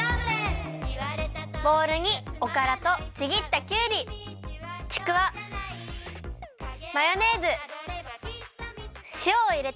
ボウルにおからとちぎったきゅうりちくわマヨネーズしおをいれてまぜるよ。